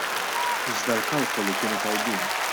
Iżda l-kalkoli kienu tajbin.